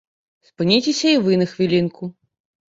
Спыніцеся і вы на хвілінку.